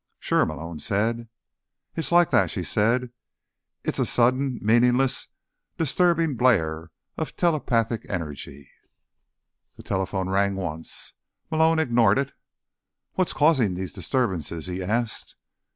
"Sure," Malone said. "It's like that," she said. "It's a sudden, meaningless, disturbing blare of telepathic energy." The telephone rang once. Malone ignored it. "What's causing these disturbances?" he asked.